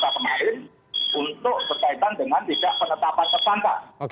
hari kemarin untuk berkaitan dengan tidak penetapan kesan pak